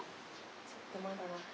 ちょっとまだ。